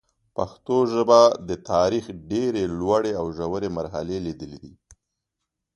پښتو ژبه د تاریخ ډېري لوړي او ژوري مرحلې لیدلي دي.